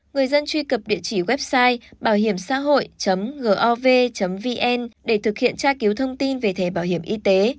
người dân truy cập địa chỉ website bảohiểmxsahoi gov vn để thực hiện tra cứu thông tin về thẻ bảo hiểm y tế